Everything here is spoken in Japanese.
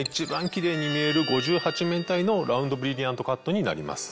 キレイに見える５８面体のラウンドブリリアントカットになります。